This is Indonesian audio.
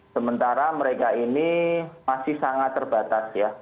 sementara mereka ini masih sangat terbatas ya